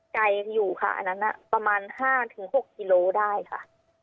ไกลอยู่ค่ะอันนั้นประมาณ๕๖กิโลได้ค่ะ